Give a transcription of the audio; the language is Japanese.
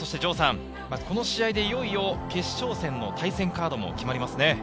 この試合でいよいよ決勝戦の対戦カードも決まりますね。